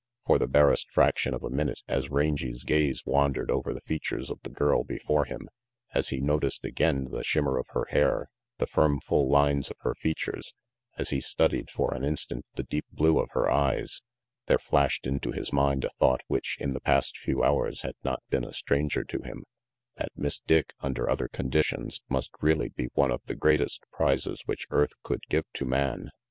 For the barest fraction of a minute, as Rangy's gaze wandered over the features of the girl before him, as he noticed again the shimmer of her hair, the firm, full lines of her features, as he studied for an instant the deep blue of her eyes, there flashed into his mind a thought which in the past few hours had not been a stranger to him that Miss Dick, under other conditions, must really be one of the greatest prizes which earth could give to man.